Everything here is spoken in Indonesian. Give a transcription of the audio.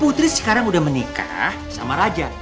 putri sekarang udah menikah sama raja